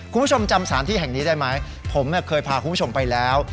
คุณผู้ชมจำสถานที่แห่งนี้ได้ไหมผมเคยพาคุณผู้ชมไปแล้ว